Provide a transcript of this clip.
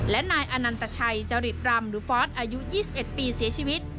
และนายอนันตชัยจริตรำหรือฟอสอายุ๒๑ปีเสียชีวิต